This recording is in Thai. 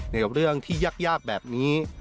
ในเรื่องที่ยากแบบนี้